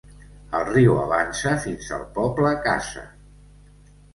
El riu avança fins al poble Kassa.